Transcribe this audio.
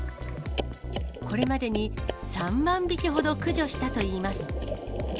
これまでに３万匹ほど駆除したといいます。